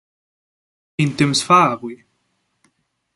quin temps fa avui?